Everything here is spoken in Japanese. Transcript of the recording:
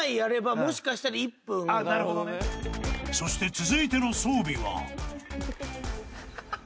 ［そして続いての装備は］